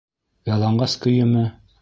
Яланғас көйөмө?